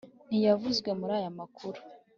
ntiyavuzwe muri aya makuru